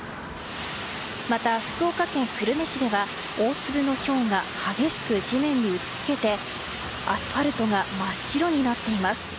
また福岡県久留米市では大粒のひょうが激しく地面に打ち付けてアスファルトが真っ白になっています。